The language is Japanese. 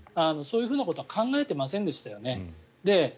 そういうふうなことは考えてませんでしたよね。